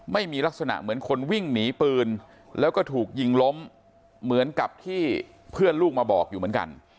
ไม่มีลักษณะเหมือนคนวิ่งหนีปืนแล้วก็ถูกยิงล้มเหมือนกับที่เพื่อนลูกมาบอกอยู่เหมือนกัน